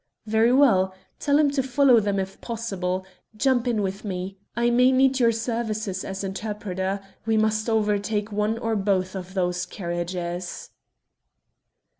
Very well! Tell him to follow them if possible. Jump in with me. I may need your services as interpreter. We must overtake one or both of those carriages!"